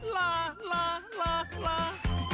ลาลาลาลา